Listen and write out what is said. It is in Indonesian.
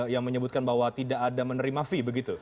yang menyebutkan bahwa tidak ada menerima fee begitu